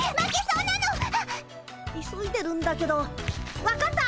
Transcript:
急いでるんだけど分かった！